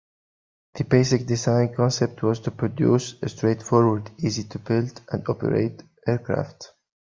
The basic design concept was to produce a straightforward, easy-to-build and operate aircraft.